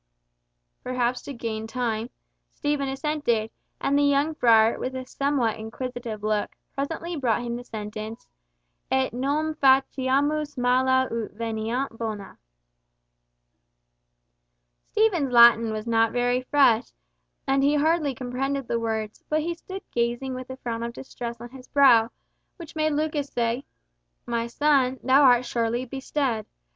Perhaps to gain time, Stephen assented, and the young friar, with a somewhat inquisitive look, presently brought him the sentence "Et non faciamus mala ut veniant bona." Stephen's Latin was not very fresh, and he hardly comprehended the words, but he stood gazing with a frown of distress on his brow, which made Lucas say, "My son, thou art sorely bestead.